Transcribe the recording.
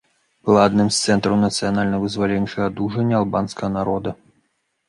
Была адным з цэнтраў нацыянальна-вызваленчага дужання албанскага народа.